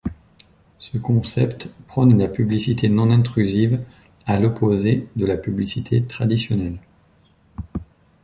Ce concept prône la publicité non-intrusive à l'opposé de la publicité traditionnelle.